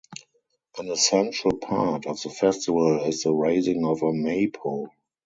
An essential part of the festival is the raising of a maypole.